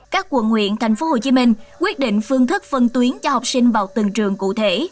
các quận nguyện tp hcm quyết định phương thức phân tuyến cho học sinh vào từng trường cụ thể